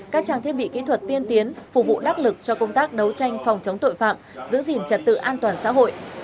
các trang thiết bị kỹ thuật tiên tiến phục vụ đắc lực cho công tác đấu tranh phòng chống tội phạm giữ gìn trật tự an toàn xã hội